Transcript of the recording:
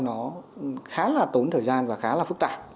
nó khá là tốn thời gian và khá là phức tạp